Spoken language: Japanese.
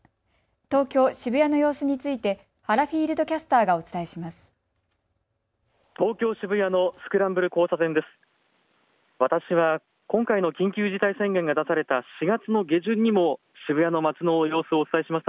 東京渋谷の様子について原フィールドキャスターがお伝えします。